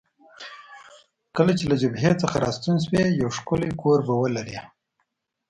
کله چې له جبهې څخه راستون شوې، یو ښکلی کور به ولرې.